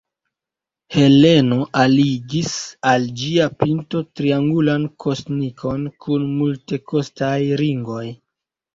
Heleno alligis al ĝia pinto triangulan kosnikon kun multekostaj ringoj.